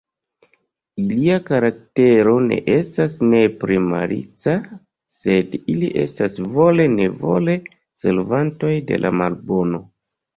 Ilia karaktero ne estas nepre malica, sed ili estas vole-nevole servantoj de la malbono.